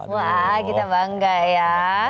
wah kita bangga ya